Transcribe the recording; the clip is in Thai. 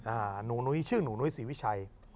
หนูนุ้ยชื่อหนูนุ้ยศรีวิชัย